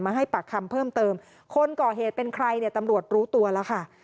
ให้ปากคำเพิ่มเติมคนก่อเหตุเป็นใครเนี่ยตำรวจรู้ตัวแล้วค่ะ